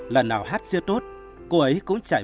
lần nào hát xe tốt cô ấy cũng chạy